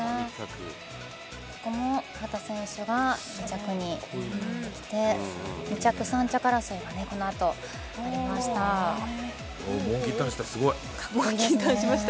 ここも秦選手が２着にやってきて２着、３着争いがこのあとありました。